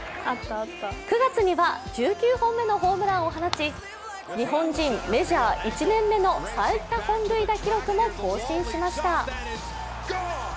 ９月には１９本目のホームランを放ち日本人・メジャー１年目の最多本塁打記録も更新しました。